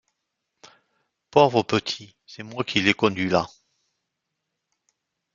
Pauvre petit, c’est moi qui l’ai conduit là!